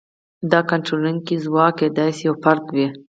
دا کنټرولونکی ځواک کېدای شي یو فرد وي.